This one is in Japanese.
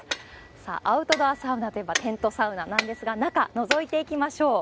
さあ、アウトドアサウナといえばテントサウナなんですが、中のぞいていきましょう。